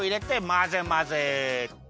まぜまぜ。